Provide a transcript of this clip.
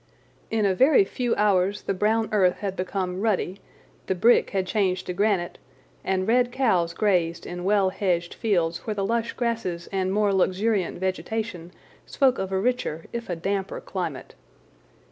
In a very few hours the brown earth had become ruddy, the brick had changed to granite, and red cows grazed in well hedged fields where the lush grasses and more luxuriant vegetation spoke of a richer, if a damper, climate.